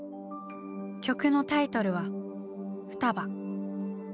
曲のタイトルは「双葉」。